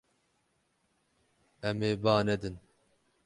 Em ê ba nedin.